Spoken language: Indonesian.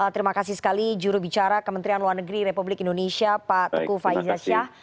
terima kasih sekali jurubicara kementerian luar negeri republik indonesia pak tuku faizaz shah